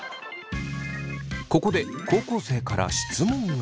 ここで高校生から質問が。